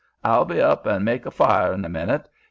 I'll be up and make on a fire in a minute.